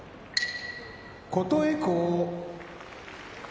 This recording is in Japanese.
琴恵光